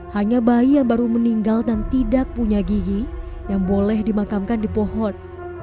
hanya bayi yang baru meninggal dan tidak punya gigi yang boleh dimakamkan di pohon